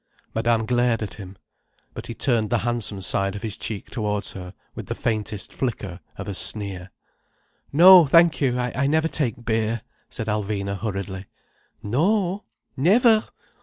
Madame glared at him. But he turned the handsome side of his cheek towards her, with the faintest flicker of a sneer. "No, thank you. I never take beer," said Alvina hurriedly. "No? Never?